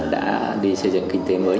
đã đi xây dựng kinh tế mới